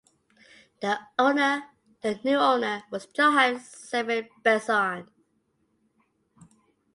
The new owner was Johan Severin Benzon.